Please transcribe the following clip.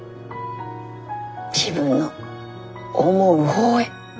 自分の思う方へ。